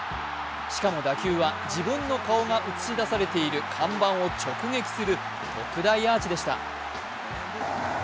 しかも打球は自分の顔が写し出されている看板を直撃する特大アーチでした。